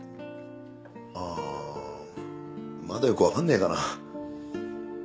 あまだよく分かんねえかな